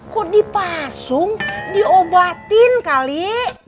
kok dipasung diobatin kali